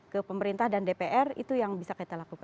ke pemerintah dan dpr itu yang bisa kita lakukan